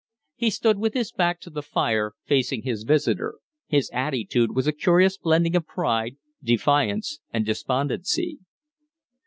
He stood with his back to the fire, facing his visitor; his attitude was a curious blending of pride, defiance, and despondency.